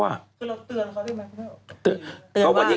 ก็เราเตือนเขาได้ไหม